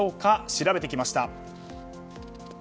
調べてきました。